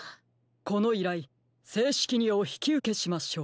このいらいせいしきにおひきうけしましょう。